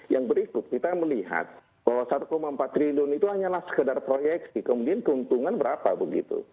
yang berikut kita melihat bahwa satu empat triliun itu hanyalah sekedar proyeksi kemudian keuntungan berapa begitu